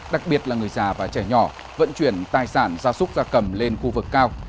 đặc biệt là người già và trẻ nhỏ vận chuyển tài sản gia súc gia cầm lên khu vực cao